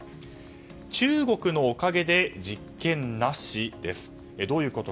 中国のおかげで実験なし？です。